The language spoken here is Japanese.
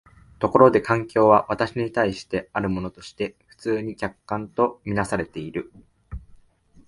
ところで環境は私に対してあるものとして普通に客観と看做されている。